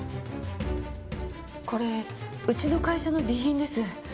これうちの会社の備品です。